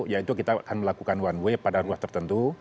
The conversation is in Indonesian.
yaitu kita akan melakukan one way pada ruas tertentu